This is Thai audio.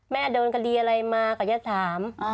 แม่โดนคดีอะไรมาเขาจะถาม